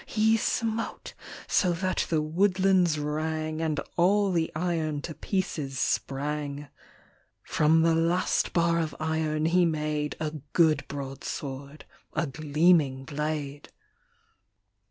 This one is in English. He smote so that the woodlands rang, And all the iron to pieces sprang. From the last bar of iron he made A good broadsword — a gleaming blade.